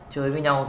chơi với nhau